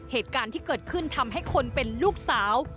เหตุการณ์ที่เกิดขึ้นทำให้คนเป็นลูกสาว